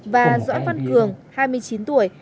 và dõi văn cường hai mươi chín tuổi